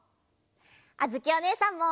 あづきおねえさんも。